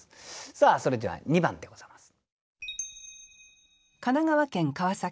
さあそれでは２番でございます。